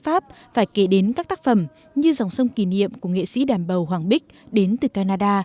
pháp phải kể đến các tác phẩm như dòng sông kỷ niệm của nghệ sĩ đàm bầu hoàng bích đến từ canada